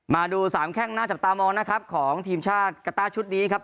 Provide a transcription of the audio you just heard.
มาดูสามแข้งน่าจับตามองนะครับของทีมชาติกาต้าชุดนี้ครับ